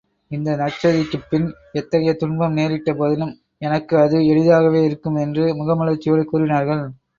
இந்த நற்செய்திக்குப் பின் எத்தகைய துன்பம் நேரிட்ட போதிலும், எனக்கு அது எளிதாகவே இருக்கும் என்று முகமலர்ச்சியோடு கூறினார்கள்.